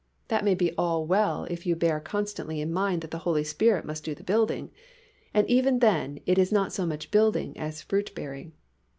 That may be all very well if you bear constantly in mind that the Holy Spirit must do the building, and even then it is not so much building as fruit bearing.